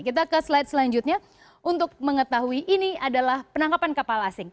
kita ke slide selanjutnya untuk mengetahui ini adalah penangkapan kapal asing